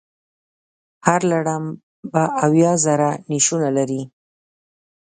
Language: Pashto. هر لړم به اویا زره نېښونه لري.